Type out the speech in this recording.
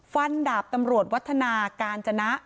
ดาบตำรวจวัฒนาการจนะ